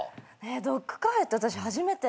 ドッグカフェって私初めて。